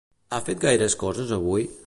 Ha fet gaires coses avui?